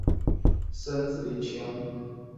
城门谷运动场前身为象鼻山临时房屋区。